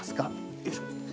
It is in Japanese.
よいしょ。